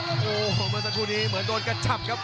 โอ้โหเมื่อสักครู่นี้เหมือนโดนกระจับครับ